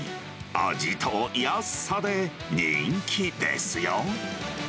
味と安さで人気ですよ。